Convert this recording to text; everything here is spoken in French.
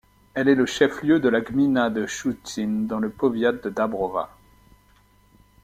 Elle est le chef-lieu de la gmina de Szczucin, dans le powiat de Dąbrowa.